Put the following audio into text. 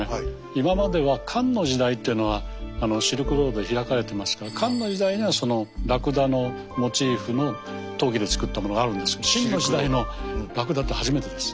今までは漢の時代っていうのはシルクロード開かれてますから漢の時代にはラクダのモチーフの陶器でつくったものがあるんですけど秦の時代のラクダって初めてです。